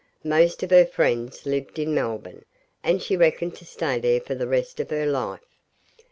Most of her friends lived in Melbourne, and she reckoned to stay there for the rest of her life.